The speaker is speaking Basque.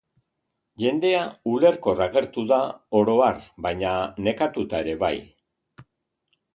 Jendea ulerkor agertu da oro har, baina nekatuta ere bai.